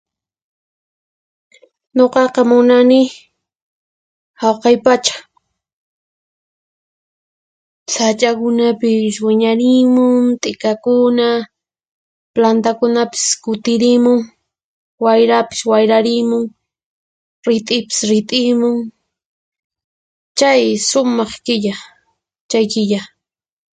Nuqaqa munani Hawqay pacha; sach'akunapis wiñarimun, t'ikakuna, plantakunapis kutirimun, wayrapis wayrarimun, rit'ipis rit'imun; Chay sumaq killa chay killa.